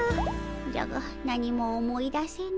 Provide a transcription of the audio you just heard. じゃが何も思い出せぬ。